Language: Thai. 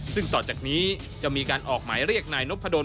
ซึ่งต่อจากนี้จะมีการออกหมายเรียกนายนพดล